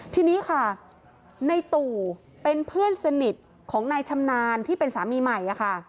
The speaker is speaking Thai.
ทีนี้ค่ะในตู่เป็นเพื่อนสนิทของนายชำนาญที่เป็นสามีใหม่